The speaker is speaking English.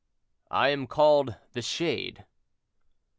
"I am called 'the Shade.'"